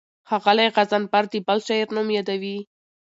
ښاغلی غضنفر د بل شاعر نوم یادوي.